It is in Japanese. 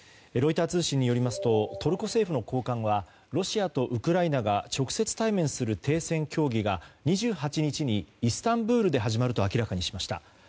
ロイター通信によりますとトルコ政府の高官はロシアとウクライナが直接対面する停戦協議が２８日にイスタンブールで始まると明らかにしました。